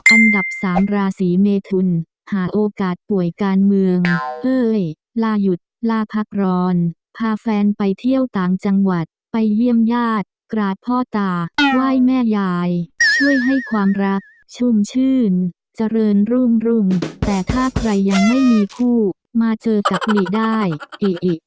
อันดับสามราศีเมทุนหาโอกาสป่วยการเมืองเอ้ยลายุดลาพักร้อนพาแฟนไปเที่ยวต่างจังหวัดไปเยี่ยมญาติกราดพ่อตาไหว้แม่ยายช่วยให้ความรักชุ่มชื่นเจริญรุ่งแต่ถ้าใครยังไม่มีคู่มาเจอกับหลีได้อิอิ